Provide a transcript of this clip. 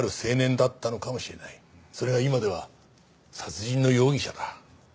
それが今では殺人の容疑者だ。